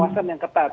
pengawasan yang ketat